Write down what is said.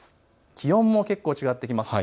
気温も違ってきます。